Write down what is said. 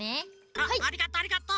あっありがとありがと。